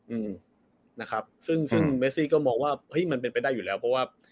อืมนะครับซึ่งซึ่งเมซี่ก็มองว่าเฮ้ยมันเป็นไปได้อยู่แล้วเพราะว่า